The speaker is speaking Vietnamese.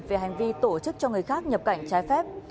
về hành vi tổ chức cho người khác nhập cảnh trái phép